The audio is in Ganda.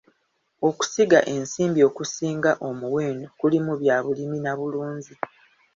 Okusiga ensimbi okusinga omuwendo kuli mu byabulimi na bulunzi.